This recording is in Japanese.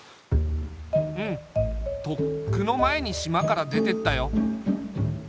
うんとっくの前に島から出てったよ。